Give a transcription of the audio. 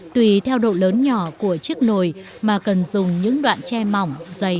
tùy theo độ lớn nhỏ của chiếc nồi mà cần dùng những đoạn tre mỏng dày